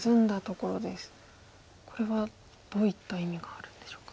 これはどういった意味があるんでしょうか。